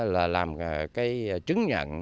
là làm cái chứng nhận